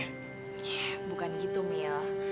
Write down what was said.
eh bukan gitu mil